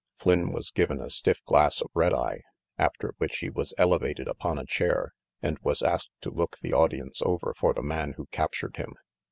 Flynn was given a stiff glass of red eye, after which he was elevated upon a chair and was asked to look the audience over for the man who captured him.